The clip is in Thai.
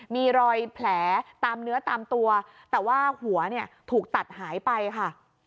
มีรอยแผลตามเนื้อตามตัวแต่ว่าหัวเนี่ยถูกตัดหายไปค่ะ